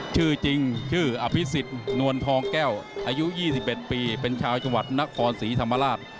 ชื่อจริงชื่ออภิษฎนวลทองแก้วอายุ๒๑ปีเป็นชาวจังหวัดนครศรีธรรมราช